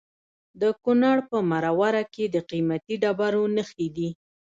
د کونړ په مروره کې د قیمتي ډبرو نښې دي.